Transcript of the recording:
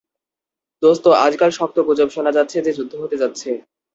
দোস্ত, আজকাল শক্ত গুজব শোনা যাচ্ছে যে যুদ্ধ হতে যাচ্ছে।